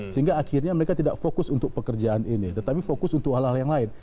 sehingga akhirnya mereka tidak fokus untuk pekerjaan ini tetapi fokus untuk hal hal yang lain